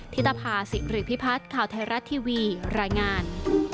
ธิตภาษิริพิพัฒน์ข่าวไทยรัฐทีวีรายงาน